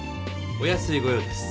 お安いご用です。